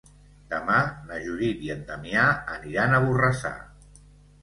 Demà na Judit i en Damià aniran a Borrassà.